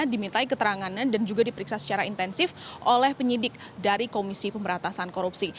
dimintai keterangannya dan juga diperiksa secara intensif oleh penyidik dari komisi pemberantasan korupsi